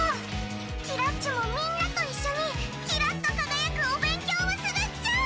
キラッチュもみんなと一緒にキラッと輝くお勉強をするっちゅ！